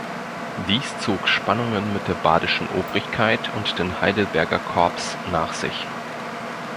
Dies zog Spannungen mit der badischen Obrigkeit und den Heidelberger Corps nach sich.